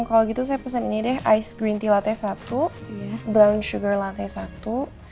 kalo gitu saya pesen ini deh ice green tea latte satu brown sugar latte satu